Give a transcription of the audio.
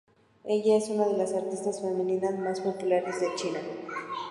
Ella es una de las artistas femeninas más populares de China.